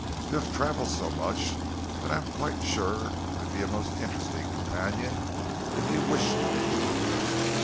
You have traveled so much that I am quite sure you could be a most interesting companion if you wished to be."